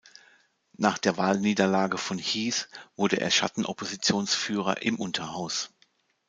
Nach der Wahlniederlage von Heath wurde er Schatten-Oppositionsführer im Unterhaus.